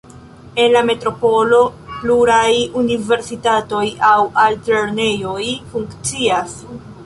En la metropolo pluraj universitatoj aŭ altlernejoj funkcias.